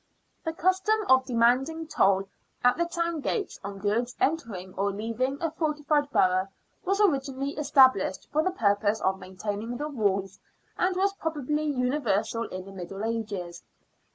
The custom of demanding toll at the town gates on goods entering or leaving a fortified borough was originally established for the purpose of maintaining the walls, and was probably universal in the Middle Ages.